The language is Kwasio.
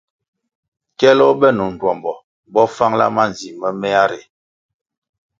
Kyele benoh ndtuombo bo fangla manzi moméa ri.